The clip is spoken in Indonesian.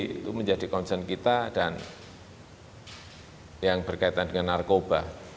itu menjadi concern kita dan yang berkaitan dengan narkoba